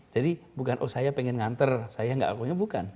bukan oh saya pengen nganter saya nggak akunya bukan